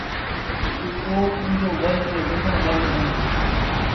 تے او اوندو وَل تے وَن٘ڄݨ والے ہِن ۔